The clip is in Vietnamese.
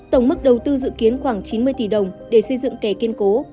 tổng mức đầu tư dự kiến khoảng chín mươi tỷ đồng để xây dựng kẻ kiên cố